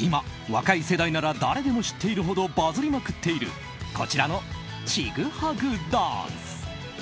今、若い世代なら誰でも知っているほどバズりまくっているこちらのチグハグダンス。